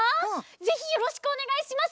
ぜひよろしくおねがいします！